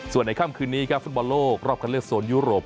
ส่วนในค่ำคืนนี้ครับฟุตบอลโลกรอบคันเลือกโซนยุโรป